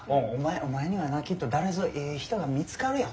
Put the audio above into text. お前にはなきっと誰ぞええ人が見つかるよ。